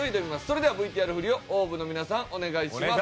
それではＶＴＲ振りをＯＷＶの皆さんお願いします。